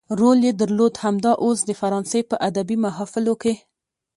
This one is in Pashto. رول يې درلود همدا اوس د فرانسې په ادبي محافلو کې.